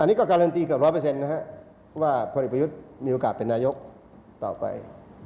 อันนี้ก็การันตีกับร้อยเปอร์เซ็นต์นะครับว่าพลเอกประยุทธมีโอกาสเป็นนายกต่อไป